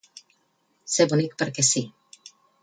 Ser bonic perquè sí.